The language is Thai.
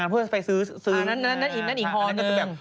มันจะมีคนไทยอีกกลุ่มหนึ่งนะมันจะมีคนไทยอีกกลุ่มหนึ่งนะ